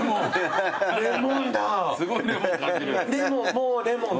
もうレモン。